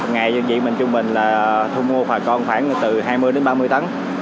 ngày đơn vị mình trung bình là thu mua khoai con khoảng từ hai mươi ba mươi tấn